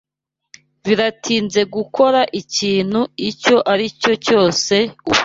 Biratinze gukora ikintu icyo aricyo cyose ubu.